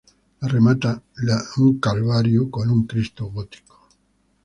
Lo remata un calvario, con un cristo gótico.